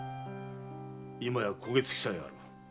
今や焦げ付きさえある。